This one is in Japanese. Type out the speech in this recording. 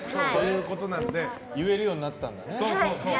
言えるようになったんだね。